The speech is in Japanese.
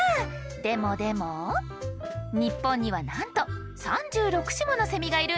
でもでも日本にはなんと３６種ものセミがいるんですよ！